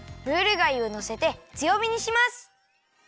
ムール貝をのせてつよびにします。